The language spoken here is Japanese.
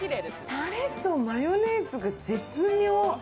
タレとマヨネーズが絶妙！